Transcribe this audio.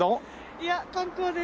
いや観光です。